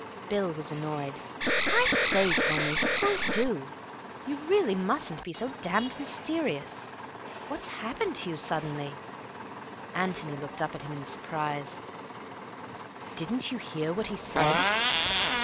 Bill was annoyed. "I say, Tony, this won't do. You really mustn't be so damn mysterious. What's happened to you suddenly?" Antony looked up at him in surprise. "Didn't you hear what he said?"